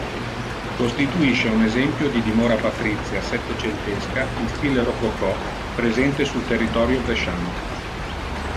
Costituisce un esempio di dimora patrizia settecentesca in stile Rococò presente sul territorio bresciano.